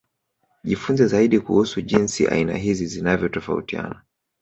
Jifunze zaidi kuhusu jinsi aina hizi zinavyotofautiana